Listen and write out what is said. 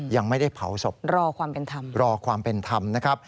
ยังไม่ได้เผาศพรอความเป็นธรรมรอความเป็นธรรมนะครับ